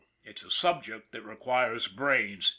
It's a subject that requires brains."